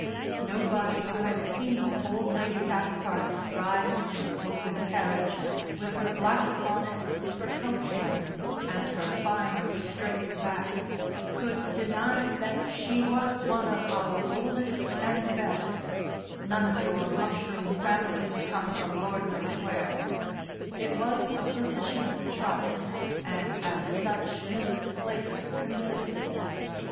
Nobody who had seen old Lady Cathcart drive in her open carriage, with her black bonnet, her coachman, and her fine, straight back, could deny that she was one of Our Oldest and Best none of your mushroom families come from Lord knows where it was a position of trust, and as such Mrs. Slater considered it.